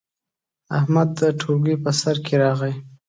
احمد د ټولګي په سر کې راغی.